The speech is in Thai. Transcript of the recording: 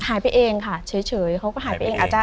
หายไปเองค่ะเฉยเขาก็หายไปเองอาจจะ